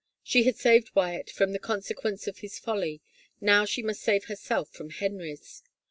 She had saved Wyatt from the consequence of his folly, now she must save herself from Henry's.